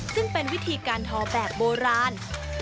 ซึ่งเป็นวิธีการทอแบบโบราณ